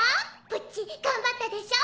プッチ頑張ったでしょ？